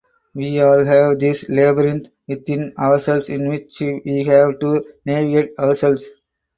We all have this labyrinth within ourselves in which we have to navigate ourselves.